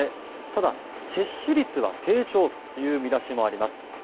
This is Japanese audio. ただ、接種率は低調という見出しもあります。